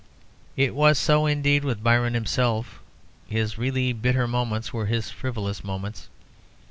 It was so, indeed, with Byron himself; his really bitter moments were his frivolous moments.